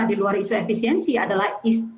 diluar isu efisiensi adalah